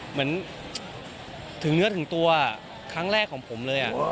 เหมือนถึงเนื้อถึงตัวครั้งแรกของผมเลย